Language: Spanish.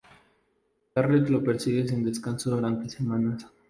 Garrett lo persigue sin descanso durante semanas.